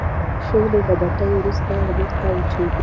شولې له بټۍ وروسته لمر ته وچیږي.